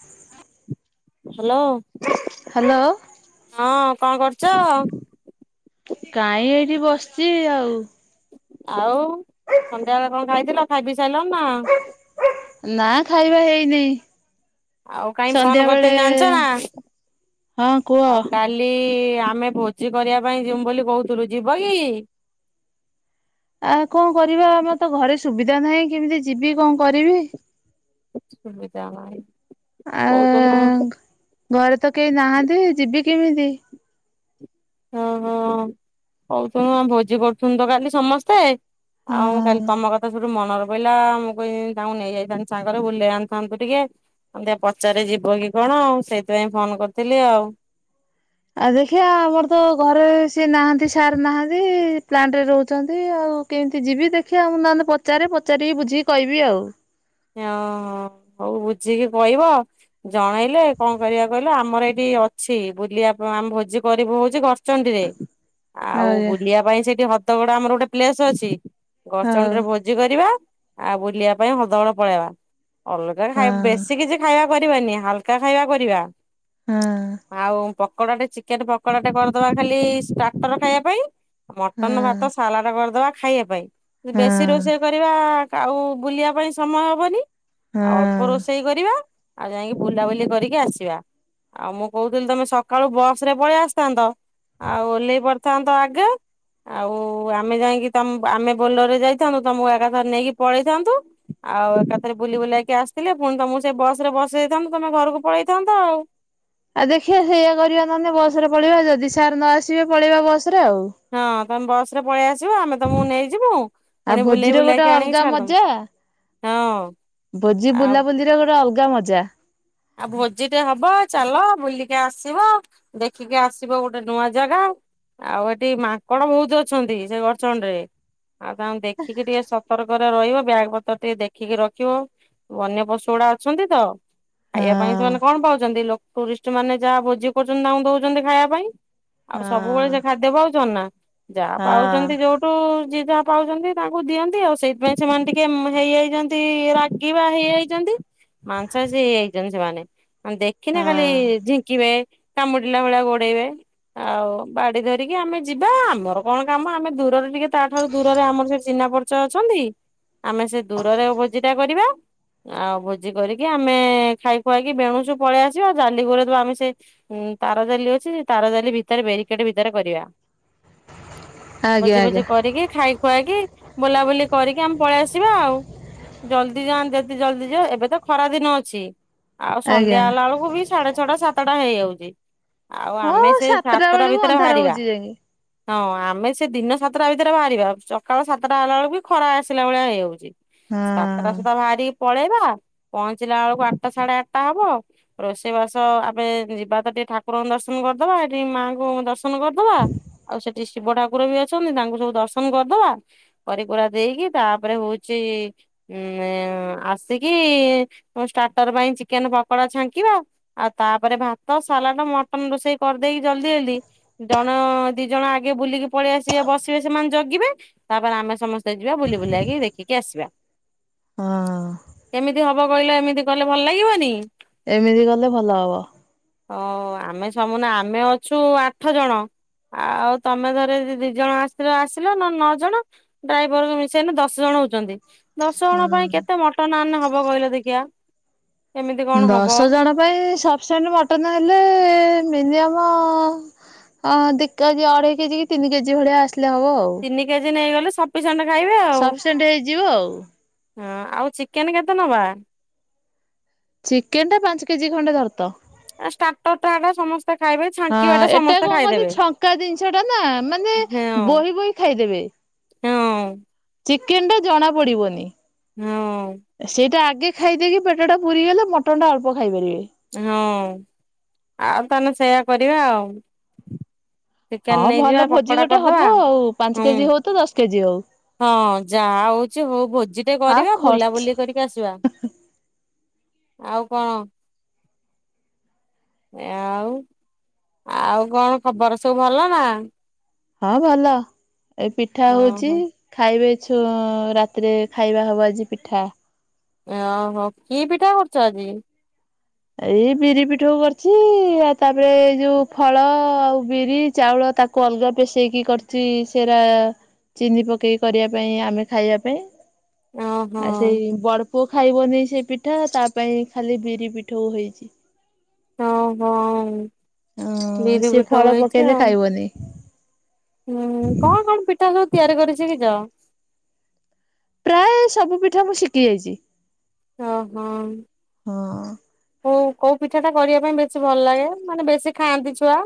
ହଁ hello hello ହଁ କଣ କରୁଛ? କାହିଁ ଏଇଠି ବସିଛି ଆଉ। ଆଉ ଥଣ୍ଡା ବେଳେ କଣ ଖାଇଥିଲ ଖାଇ ପିଇ ସାଇିଲ ନା ନା ଖାଇବା ହେଇନି। ଆଉ କାହିଁ ଫୋନ ସନ୍ଧ୍ୟା ବେଳେ କରିଥିଲି ଜାଣିଛ ନା ହଁ କୁହ ଲି ଆମେ ଭୋଜି କରିବା ପାଇଁ ଯମୁ ବୋଲି କହୁଥିଲୁ ଯିବ କି? ଆ କଣ କରିବା ଆମର ତ ଘରେ ସୁବିଧା ନାହିଁ କେମିତି ଯିବି କଣ କରିବି? ସୁବିଧା ନାଇ ଆ କୋଉ ଦିନୁ ଘରେ ତ କେହି ନାହାନ୍ତି ଯିବି କେମିତି? ଓହୋ କହୁଥିଲୁ ଆ ଭୋଜି କରୁଥିନୁ ତ କାଲି ସମସ୍ତେ ଆଉ ମୁଁ କାଲି ହଁ। ତମ କଥା ସଠୁ ମନ ର କହିଲା ମୁଁ କି ତାଙ୍କୁ ନେଇଯାଇଥାନ୍ତି ସାଙ୍ଗରେ ବୁଲେଇ ଆଣିଥାନ୍ତୁ ଟିକେ ଉଁ ଦେଆ ପଚାରେ ଯିବ କି କଣ ଆଉ ସେଇଥିପାଇଁ ଫୋନ୍ କରିଥିଲି ଆଉ। ଆ ଦେଖିବା ଆମର ତ ଘରେ ସିଏ ନାହାନ୍ତି ସାର୍ ନାହାନ୍ତି ପ୍ଲାଣ୍ଟ୍ ରେ ରହୁଛନ୍ତି ଆଉ କେନ୍ତି ଯିବି ଦେଖିଆ ମୁଁ ନହେନେ ପଚାରେ ପଚାରିକି ବୁଝିକି କହିବି ଆଉ। ଇଁଅ ହଁ ହଉ ବୁଝିକି କହିବ। ଜଣେଇଲେ କଁ କରିବା କହିଲ ଆମର ଏଇଠି ଅଛି ବୁଲିବା ଆମେ ଭୋଜି କରିବୁ ହୋଉଚି ଘସ୍ ଚଣ୍ଡୀରେ। ଆଉ ଆଜ୍ଞା ବୁଲିବା ପାଇଁ ସେଇଠି ହଦଗଡ଼ ଆମର ଓଟେ ପ୍ଲେସ୍ ଅଛି ହଉ ଗଡ଼ଚଣ୍ଡୀରେ ଭୋ ଜି କରିବା ଆ ବୁଲିବା ପାଇଁ ହଦଗଡ଼ ପଳେଇବା ଅଲଗା ହଁ ଖାଇ ବେଶୀ କିଛି ଖାଇବା କରିବାନି ହାଲକା ଖାଇବା କରିବା। ହଁ। ଆଉ ପକୋଡ଼ାଟେ ଚିକେନ୍ ପକୋଡ଼ାଟେ କରିଦବା ଖାଲି ଷ୍ଟାଟର୍ ଖାଇବା ପାଇଁ। ମଟନ୍ ଭାତ ହଁ ସାଲାଟ କରିଦବା ଖାଇବା ପାଇଁ ହଁ ବେଶୀ ରୋ ହଁ। ଚେ କରିବା କା ଆଉ ବୁଲିବା ପାଇଁ ସମୟ ହବନି ଆ ଅଳ୍ ଓ ହଁ। ରୋଷେଇ କରିବା ଆଉ ଯାଇଁକି ବୁଲାବୁଲି କରିକି ଆସିବା। ଆଉ ମୁଁ କହୁଥିଲି ତମେ ସକାଳୁ ବସ୍ ରେ ପଳିଆସିଥାନ୍ତ। ଆଉ ଓହ୍ଲେଇ ପଡ଼ିଥାନ୍ତ ଆଗେ‌ ଆଉ ଆମେ ଯାଇଁକି ତମ୍ ଆମେ ବୋଲରରେ ଯାଇଥାନ୍ତୁ ତମୁକୁ ଆକାଥରେ ନେଇକି ପଳେଇଥାନ୍ତୁ। ଆଉ ଏକାଥରେ ବୁଲି ବୁଲାକି ଆସିଥିଲେ ପୁଣି ତମୁକୁ ସେ ବସ୍ ରେ ବସେଇ ଦେଇଥାନ୍ତୁ ତମେ ଘରୁକୁ ପଳେଇଥାନ୍ତ ଆଉ। ଆ ଦେଖିଆ ସେଇଆ କରିବା ନହେନେ ବୂସ ରେ ପଳେଇବା ଯଦି ସାର୍ ନ ଆସିବେ ପଳେଇବା ବସ୍ ରେ ଆଉ। ହଁ। ତମେ ବସ୍ ରେ ପଳିଆସିବ ଆମେ ତମୁକୁ ନେଇଯିମୁ ଆଉ ପୁଣି ଭୋଜିର ବୁଲେଇ ଗୋଟେ ବୁଲାକି ଅଲଗା ଆଣିକି ମଜା ଛାଡ଼ିଦୋମୁ। ଭୋଜି ଆଉ ବୁଲାବୁଲିର ଗୋଟେ ଅଲଗା ମଜା। ଆ ଭୋଜିଟେ ହବ ଚାଲ ବୁଲିକି ଆସିବ। ଦେଖିକି ଆସିବ ଗୋଟେ ନୂଆ ଜାଗା। ଆଉ ହେଠି ମାଙ୍କଡ଼ ବୋହୁତ ଅଛନ୍ତି ସେ ଗଡ଼ଚଣ୍ଡୀରେ ଆଉ ତାଙ୍କୁ ଦେଖିକି ଟିକେ ସ ସତର୍କରେ ରହିବ ବ୍ୟାଗ୍ ପତ୍ର ଟିକେ ଦେଖିକି ରଖିବ ବନ୍ୟ ପଶୁ ଉଡ଼ା ଅଛନ୍ତି ତ। ହଁ ଖାଇବା ପାଇଁ ସେମାନେ କଣ ପାଉଚନ୍ତି ଲୋ ଟୁରିଷ୍ଟମାନେ ଯାହା ଭୋଜି କରୁଚନ୍ତି ତାଙ୍କୁ ଦୋଉଚନ୍ତି ଖାଇବା ପାଇଁ। ଆଉ ହଁ ସବୁବେଳେ ସେ ଖାଦ୍ୟ ପାଉଚନ୍ତି ନାଁ ଯାହା ହଁ ପାଉଛନ୍ତି ଯୋଉ ଟୁ ଯିଏ ଯାହା ପାଉଚନ୍ତି ତାଙ୍କୁ ଦିଅନ୍ତି ଆଉ ସେଇଥିପାଇଁ ସେମାନେ ଟିକେ ହେଇଯାଇଚନ୍ତି ରାଗିବା ହେଇଯାଇ ଚନ୍ତି ମାଂସାଶୀ ହେଇଆଚନ୍ତି ସେମାନେ ଅଁ ଦେଖିନେ ଖାଲି ହଁ ଝି କିବେ କାମୁଡ଼ିଲା ଭଳିଆ ଗୋଡ଼େଇବେ ଆଉ ବାଡ଼ି ଧରିକି ଆମେ ଯିବା ଆମର କଣ କାମ ଆମେ ଦୂରରେ ଟିକେ ତାଠାରୁ ଦୂରରେ ଆମର ସେଠି ଚିହ୍ନା ପରିଚ ଅଛନ୍ତି। ଆମେ ସେ ଦୂରରେ ଭୋଜିଟା କରିବା ଆଉ ଭୋଜି କରିକି ଆମେ ଖାଇ ଖୁଆକି ବେଣୁଶୁ ପଳେଇ ଆସିବା ଆଉ ଜାଲି ଘୋରେଇ ଦବା ଆମେ ସେ ଉଁ ତାର ଜାଲି ଅଛି ସେ ତାର ଜାଲି ଭିତରେ ବେରିକେଟ୍ ଭିତରେ କରିବା। ଆଜ୍ଞା ଭୋଜି ଆଜ୍ଞା ଭୋଜି କରିକି ଖାଇ ଖୁଆକି ବୋଲାବୁଲି କରିକି ଆମେ ପଳିଆସିବା ଆଉ। ଜଲ୍ଦି ଯାଆନ୍ ଯେଦି ଜଲ୍ଦି ଯିବ ଏବେ ତ ଖରା ଦିନ ଅଛି। ଆଉ ସନ୍ଧ୍ୟା ଆଜ୍ଞା। ହେଲା ଅଳୁକୁ ବି ସାଢ଼େ ଛଅଟା ସାତଟା ହେଇଯାଉଚି। ଆଉ ଆମେ ହଁ ସେ ସାତଟା ବେଳକୁ ଭିତରେ ଅନ୍ଧାର ଭାରିବା। ହଉଛି ଯାଇକି ହଁ ଆମେ ସେ ଦିନ ସାତଟା ଭିତରେ ବାହାରିବା ଚକାଳ ସାତଟା ହେଲା ଅଳୁକୁ ଖରା ଆସିଲା ଭଳିଆ ହେଇଯାଉଚି। ସାତଟା ହଁ ସୁଦ୍ଧା ଭାରିକି ପଳେଇବା ପହଞ୍ଚିଲା ଅଳୁକୁ ଆଠଟା ସାଢ଼େ ଆଠଟା ହବ। ରୋଷେଇ ବାସ ଆମେ ଯିବା ତ ଟିକେ ଠାକୁରଙ୍କୁ ଦର୍ଶନ କରିଦବା ହେଠି ମାଆଙ୍କୁ ଦର୍ଶ ହନ କରିଦବା ଆଉ ସେଠି ଶିବ ଠାକୁର ବି ଅଛନ୍ତି ତାଙ୍କୁ ସବୁ ଦର୍ଶନ କରିଦବା। କରିକୁରା ଦେଇକି ତାପରେ ହୋଉଚି ଉଁ ନେ ଆସିକି ଉଁ ଷ୍ଟା ଟର ପାଇଁ ଚିକେନ୍ ପକଡ଼ା ଛାଙ୍କିବା ଆଉ ତାପରେ ଭାତ ସାଲାଡ ମ ଟନ୍ ରୋଷେଇ କରିଦେଇକି ଜଲ୍ଦି ଜଲ୍ଦି ଜଣ ଦି ଜଣ ଆଗେ ବୁଲିକି ପଳିଆସିବେ ବସିବେ ସେମାନେ ଜଗିବେ ତାପରେ ଆମେ ସମସ୍ତେ ଯିବା ବୁଲି ବୁଲାକି ଦେଖିକି ଆସିବା। ହଁ। କେମିତି ହବ କହିଲ ଏମିତି କଲେ ଭଲ ଲାଗିବନି? ଏମିତି କଲେ ଭଲ ହବ। ଓ ଆମେ ସମୁନା, ଆମେ ଅଛୁ ଆଠ ଜଣ। ଆଉ ତମେ ଧର ଦି ଜଣ ଆସିଲ ଆସିଲ ନ ନଅ ଜଣ। ଡ୍ରାଇଭରକୁ ମିଶାଇଲେ ଦଶ ଜଣ ହଉଛନ୍ତି, ଦଶ ଜଣ ପାଇଁ ହଁ। କେତେ ମଟନ ଆଣିନେ ହବ କହିଲ ଦେଖିଆ? କେମିତି କଣ ହବ ଦଶ ଜଣ ପାଇଁ ସଫିସେଣ୍ଟ ମଟନ ହେଲେ ଏ ଏ ମିନିଅମ ହଁ, ଦି କେଜି, ଅଢେଇ କେଜି କି ତିନି କେଜି ଭଳିଆ ଆସିଲେ ହବ ଆଉ। ତିନି କେଜି ନେଇଗଲେ ସଫିସେଣ୍ଟ ଖାଇବେ ଆଉ। ସଫିସିଏଣ୍ଟ ହେଇଯିବ ଆଉ। ହଁ, ଆଉ ଚିକେନ କେତେ ନବା? ଚିକେନ ଟା ପାଞ୍ଚ କେଜି ଖଣ୍ଡେ ଧରି ଥା। ଆ ଷ୍ଟାର୍ଟର ଟା ସମସ୍ତେ ଖାଇବେ ହଁ, ଛାଙ୍କିବା ଟା ଏଟା ସମସ୍ତେ କଣ କନ୍ତି ଖାଇଦେବେ ଛଙ୍କା ଜିନିଷ ଟା ନା, ମାନେ ହଁ ବୋହି ବୋହି ଖାଇଦେବେ। ହଁ ଚିକେନ ଟା ଜଣା ପଡିବନି, ହଁ ସେଇଟା ଆଗେ ଖାଇ ଦେଇକି ପେଟଟା ପୁରିଗଲେ ମଟନ୍ ଟା ଅଳ୍ପ ଖାଇପାରିବେ। ହଁ, ଆଉ ତାହେନେ ସେୟା କରିବା ଆଉ। ଚିକେନ ହଁ ଭଲ ନେଇଯିବା ଭୋଜି ପକୋଡା ଗୋଟେ କରିଦବା ହବ ଆଉ, ପାଞ୍ଚ ହୁଁ କେଜି ହଉ ତ ଦଶ କେଜି ହଉ। ହଁ ଯାହା ହଉଛି ହଉ, ଭୋଜି ଟେ ଆଉ କରିବା, ଖର୍ଚ୍ଚ ବୁଲାବୁଲି କରିକି ଆସିବା। ଆଉ କଣ? ଆଉ, ଆଉ କଣ ଖବର ସବୁ ଭଲ ନା? ହଁ ଭଲ, ଏଇ ପିଠା ହଉଛି। ଓହୋ ଖାଇବେ ଛୁ ରାତିରେ ଖାଇବା ହବ ଆଜି ପିଠା। ଓହୋ, କି ପିଠା କରୁଛ ଆଜି? ଏ ଏଇ ବିରି ପିଠଉ କରୁଛି ଆଉ, ତାପରେ ଏଇ ଯୋଉ ଫଳ ଆଉ ବିରି ଚାଉଳ ତାକୁ ଅଲଗା ପେସେଇକି କରିଚି ସେରା ଚିନି ପକେଇକି କରିବା ପାଇଁ, ଆମେ ଖାଇବା ପାଇଁ। ଓହୋ ଆଉ ସେଇ ବଡପୁଅ ଖାଇବନି ସେଇ ପିଠା, ତା ପାଇଁ ଖାଲି ବିରି ପିଠା। ପିଠୋଉ ହେଇଚି। ଓହୋ, ବିରି ପିଠଉ ହେଇଚି ଆଉ। ବନି ହୁଁ, କଣ କଣ ପିଠା ସବୁ ତିଆରି କରି ସିକିଛ? ପ୍ରାୟ ସବୁ ପିଠା ମୁଁ ଶିଖି ଯାଇଛି। ଓହୋ। ହଁ ହଉ, କୋଉ ପିଠା ଟା କରିବା ପାଇଁ ବେଶୀ ଭଲ ଲାଗେ, ମାନେ ବେଶୀ ଖାଆନ୍ତି ଛୁଆ?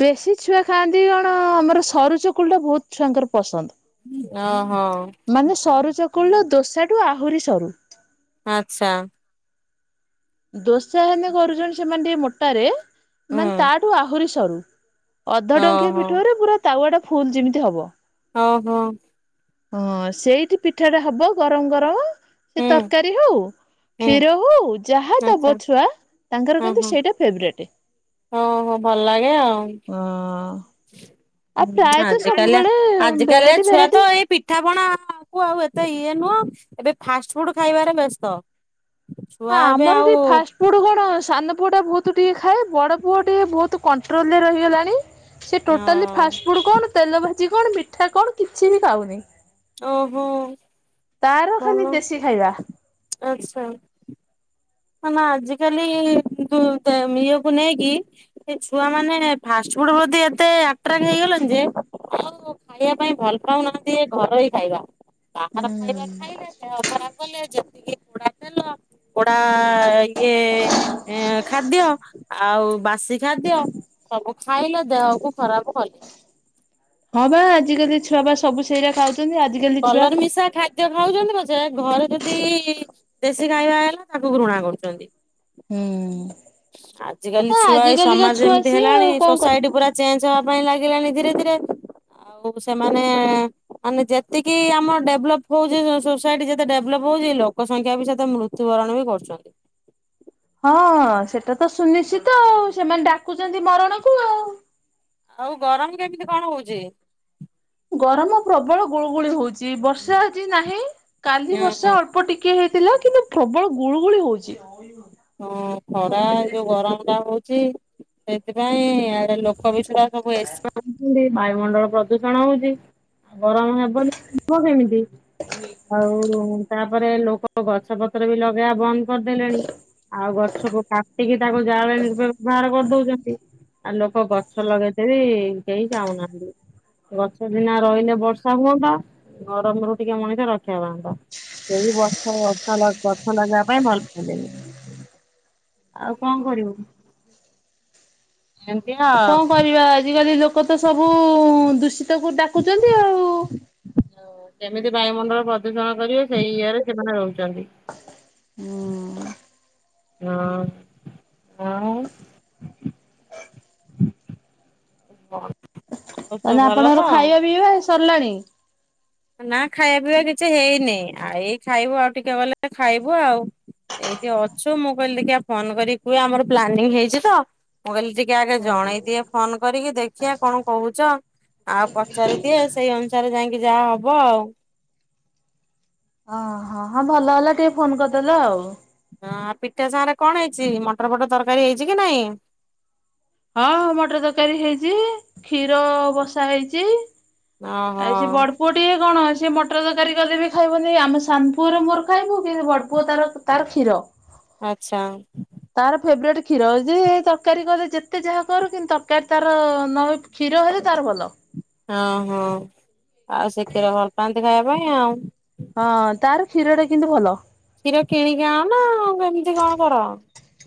ବେଶୀ ଛୁଆ ଖାଆନ୍ତି କଣ, ଆମର ସରୁ ଚକୁଳି ଟା ବହୁତ ଛୁଆଙ୍କର ପସନ୍ଦ। ଓହୋ। ମାନେ ସରୁ ଚକୁଳି ଟା, ଦୋସାଠୁ ଆହୁରି ସରୁ। ଆଛା। ଦୋସାହେନେ କରୁଛନ୍ତି ସେମାନେ ଟିକେ ମୋଟାରେ, ହୁଁ ମାନେ ତାଠୁ ଆହୁରି ସରୁ। ଅଧ ଡ଼ଙ୍କିଏ ଓହୋ ପିଠଉରେ ପୁରା ତାୱା ଟା ଫୁଲ ଯେମିତି ହବ। ଓହୋ। ହଁ, ସେଇଠି ପିଠାଟା ହବ ଗରମ ଗରମ, ସେ ହୁଁ ତରକାରୀ ହଉ ହୁଁ କ୍ଷୀର ହଉ, ଯାହା ଦବ ଆଚ୍ଛା ଛୁଆ, ତାଙ୍କର ହଁ କିନ୍ତୁ ହଁ ସେଇଟା ଫେବରାଇଟ। [inaudible] ହଁ ହଁ ଭଲ ଲାଗେ ଆଉ। ଆଉ ହୁଁ, ପ୍ରାୟତଃ ଆଜିକାଲିଆ, ସବୁବେଳେ ଆଜି କାଲିଆ ଭେରାଇଟି ଛୁଆ ଭେରାଇଟି ତ ଏଇ ପି ପିଠାପଣା କୁ ଆଉ ଏତେ ଇଏ ନୁହଁ ଏବେ ଫାଷ୍ଟ ଫୁଡ ଖାଇବାରେ ବ୍ୟସ୍ତ। ଛୁଆ ହଁ, ଏବେ ଆମର ଏଠି ଆଉ ଫାଷ୍ଟ ପୁଅଟୁ କଣ ସାନ ପୁଅଟା ବହୁତ ଟିକେ ଖାଏ, ବଡ଼ ପୁଅ ଟିକେ ବହୁତ କଣ୍ଟ୍ରୋଲରେ ରହିଗଲାଣି। ସେ ଅ ଟୋଟାଲି ଫାଷ୍ଟ ଫୁଡ କଣ, ତେଲ ଭାଜି କଣ, ମିଠା କଣ, କିଛି ବି ଖାଉନି। ଓହୋ। ତାର ଭଲ ଖାଲି ଦେଶୀ ଖାଇବା। ଆଚ୍ଛା ନା ନା ଆଜିକାଲି ଇଏକୁ ନେଇକି ଏ ଛୁଆ ମାନେ ଫାଷ୍ଟ ଫୁଡ ପ୍ରତି ଏତେ ଆଟ୍ରାକ୍ ହେଇଗଲେଣି ଯେ ଖାଇବା ପାଇଁ ଭଲ ପାଉନାହାନ୍ତି ଏ ଘରୋଇ ଖାଇବା। ବାହାର ହୁଁ ଖାଇବା ଖାଇଲେ ଦେହ ଖରାପ କଲେ ଯେତିକି ପୋଡା ତେଲ ଆ ଇଏ ଖାଦ୍ୟ ଆଉ ବାସି ଖାଦ୍ୟ ସବୁ ଖାଇଲ ଦେହକୁ ଖରାପ କଲେ। ହଁ ବା ଆଜିକାଲି ଛୁଆ ବା ସବୁ ସେଇରା ଖାଉ କଲର ମିଶା ଖା ଦ୍ୟ ଖାଉଛନ୍ତି ପଛେ ଘରେ ଯଦି ଦେଶୀ ଖାଇବା ହେଲା ତାକୁ ଘୃଣା କରୁଛନ୍ତି। ହୁଁ। ଆଜ କାଲି ହଁ ଛୁଆ ଏଇ ଆଜିକାଲିକା ସମାଜ ଛୁଆ ଏମିତି ସିଏ ହେଲାଣି ଆଉ କଣ କରିବ। ସୋସାଇଟି ପୁରା ଚେଞ୍ଜ ହବା ପାଇଁ ଲାଗିଲାଣିି ଧୀରେ ଧୀରେ ଆଉ ସେମାନେ ମାନେ ଯେତିକି ଆମର ଡେଭଲପ ହଉଛି ସୋସାଇଟି ଯେତେ ଡେଭଲପ ହଉଛି ଲୋକ ସଂଖ୍ୟା ବି ସେତେ ମୃତ ମୃତ୍ୟୁବରଣ ବି କରୁଛନ୍ତି। ହଁ ସେଟା ତ ସୁନିଶ୍ଚିତ ଆଉ ସେମାନେ ଡାକୁଛନ୍ତି ମରଣକୁ ଆଉ। ଆଉ ଗରମ କେମିତି କଣ ହଉଛି। ଗରମ ପ୍ରବଳ ଗୁଳୁ ଗୁଳି ହଉଚି ବର୍ଷା ଆଜି ନାହିଁ କାଲି ବର୍ଷା ଅଳ୍ପ ଳ୍ପ ଟିକେ ହେଇଥିଲା କିନ୍ତୁ ପ୍ରବଳ ଗୁଳୁ ଗୁଳି ହଉଛି। [inaudible] ହଁ ଖରା ଯୋଉ ଗରମ ଟା ହଉଛି ସେଥିପାଇଁ ଇଆଡେ ଲୋକ ବିଶ୍ୱାସ ସବୁ [inaudible] ବାୟୁମଣ୍ଡଳ ପ୍ରଦୂଷଣ ହଉଛି। ଗରମ ହେବନି ହେବ କେମିତି ଆଉ ତାପରେ ଲୋକ ତ ଗଛ ପତ୍ର ବି ଲଗେଇବା ବନ୍ଦ କରିଦେଲେଣି। ଆଉ ଗଛକୁ କାଟିକି ତାକୁ ଜାଳେଣି ରୂପେ ବ୍ୟବହାର କରିଦଉଛନ୍ତି। ଆଉ ଲୋକ ଗଛ ଲଗେଇ ଦେଇ ବି କେହି ଚାହୁନାହାନ୍ତି। ଗଛ ସିନା ରହିଲେ ବର୍ଷା ହୁଅନ୍ତା ଗରମ ରୁ ଟିକେ ମଣିଷ ରକ୍ଷା ପାଅନ୍ତା। ସେଇ ବର୍ଷ ଗଛ ଗଛ ଲଗେଇବା ପାଇଁ ଭଲ ପାଇଲେନି। ଆଉ କଣ କରିବୁ ଏମିତି ଆଉ ବା ଆଜିକାଲି ଲୋକ ତ ସବୁ ଦୂଷିତକୁ ଡାକୁଛନ୍ତି ଆଉ ଓ କେମିତି ବାୟୁମଣ୍ଡଳ ପ୍ରଦୂଷଣ କରିବେ ସେଇୟା ରେ ସେମାନେ ରହୁଛନ୍ତି ହୁଁ ହଁ ହଁ ବନ୍ ତାନେ ଆପଣଙ୍କର ଖାଇବା ପିଇବା ସରିଲାଣି ନା ଖାଇବା ପିଇବା କିଛି ହେଇନି ଆ ଏଇ ଖାଇବୁ ଆଉ ଟିକେ ଗଲେ ଖାଇବୁ ଆଉ ଏଇଠି ଅଛୁ ମୁଁ କହିଲି ଟିକେ ଫୋନ କରିକି କୁହେ ଆମର ପ୍ଲାନିଂ ହେଇଛି ତ ମୁଁ କହିଲି ଟିକେ ଆଗେ ହଁ ଜଣେଇଦିଅ ଫୋନ କରିକି ଦେଖିିବା କଣ କହୁଛ ଆଉ ପଚାରିଦିଏ ସେଇ ଅନୁସାରେ ଯାଇକି ଯାହା ହବ ବ ଆଉ ହଁ ହଁ ଭଲ ହେଲା ଟିକେ ଫୋନ କରିଦେଲେ ଆଉ ହଁ ଆ ପିଠା ସାଙ୍ଗ ରେ କଣ ହେଇଛି ମଟର ଫଟର ତରକାରୀ ହେଇଛି କି ନାଇଁ ହଁ ମଟର ତରକାରୀ ହେଇଛି କ୍ଷୀର ବସା ହେଇଛି ଓହୋ ଆଇ ସେ ବଡ ପୁଅ ଟିକେ କଣ ସିଏ ମଟର ତରକାରୀ କଲେ ବି ଖାଇବନି ଆମେ ସାନପୁଅର ମୋର ଖାଇବୁ କି ଭଡପୁଅ ତାର ତାର କ୍ଷୀର ଆଚ୍ଚ୍ଛା ତାର ଫେବରଟ୍ କ୍ଷୀର ଯେ ତରକାରୀ କଲେ ଯେତେ ଯାହା କରୁ କିନ୍ତୁ ତରକାରୀ ତାର ନହ କ୍ଷୀର ହେଲେ ତାର ଭଲ ହଁ ହଁ ଆଉ ସେ କ୍ଷୀର ଭଲ ପାଆନ୍ତି ଖାଇବା ପାଇଁ ଆଉ। ହଁ ତାର କ୍ଷୀରଟା କିନ୍ତୁ ଭଲ। କ୍ଷୀର କିଣିକି ଆଣ ନାଁ କେମିତି କଣ କର?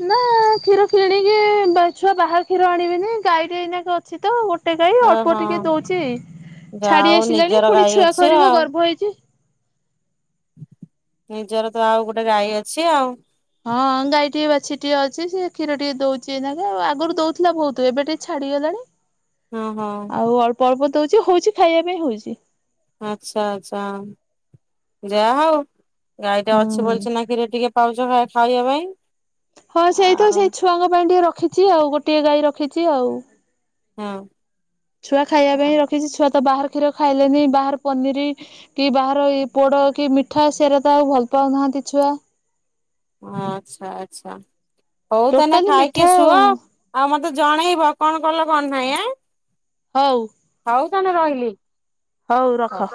ନାଁ କ୍ଷୀର କିଣିକି ବେ ଛୁଆ ବାହାର କ୍ଷୀର ଆଣିବେନି ଗାଈଟି ଏଇନାକେ ଅ ଛି ତ ଗୋଟେ ଗାଈ ଅଳ୍ପ ଓହୋ ଟିକେ ଦଞଉଚି। ଯାହା ଛାଡ଼ି ହଉ ଆସିଲାଣି ନିଜର ଫୁଣି ଗାଈ ଛୁଆ ଅଛି କରିବ ଆଉ। ଗର୍ଭ ହେଇଚି ‌ ନିଜର ତ ଆଉ ଗୋଟେ ଗାଈ ଅଛି ଆଉ। ହଁ ଗାଈ ଟିଏ ବାଛୁରୀ ଟିଏ ଅଛି ସେ କ୍ଷୀର ଟିକେ ଦୋଉଚି ଏନାକେ ଆଗଙରୁ ଦୋଉଥୁଲା ଭୋଉତୁ ଏବେ ଟିକେ ଛାଡ଼ି ଗଲାଣି। ହଁ ହଁ ଆଉ ଅଳ୍ପ ଅଳ୍ପ ଦୋଉଚି ହୋଉଚି ଖାଇବା ପାଇଁ ହୋଉଚି। ଆଚ୍ଛା ଆଚ୍ଛା ଯାହା ହଉ। ଗାଈଟା ଅଛି ହୁଁ ବୋଲଛି ସିନା କ୍ଷୀର ଟିକେ ପାଉଚ ଖା ଖାଇବା ପାଇଁ। ହଁ ସେଇ ତ ଆଉ ସେଇ ଛୁଆଙ୍କ ପାଇଁ ଟିକେ ରଖିଚି ଆଉ ଗୋଟିଏ ଗାଈ ରଖିଚି ଆଉ। ହଁ। ଛୁଆ ଖାଇବା ପାଇଁ ରଖିଚି ଛୁଆ ତ ବାହାର କ୍ଷୀର ଖାଇଲେନି ବାହର ପନିର୍ କି ବାହାର ଏଇ ପୋଡ଼ କି ମିଠା ସେରା ତ ଆଉ ଭଲ ପାଉନାହାନ୍ତି ଛୁଆ। ଅଁ ଆଚ୍ଛା ଆଚ୍ଛା ହଉ ତାନେ ଟୋଟାଲି ଖାଇକି ମିଠା ଶୁଅ। ଆଉ ମତେ ଜଣେଇବ କଣ କଲ କଣ ନାହିଁ ଆଁ? ହଉ। ହଉ ତାନେ ରହିଲି। ହଉ ରଖ।